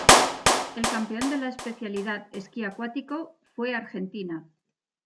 El campeón de la especialidad Esquí acuático fue Argentina.